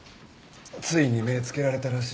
ついに目つけられたらしいな。